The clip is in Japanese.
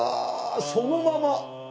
そのまま！